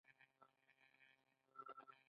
د کتاب چاپولو صنعت څنګه دی؟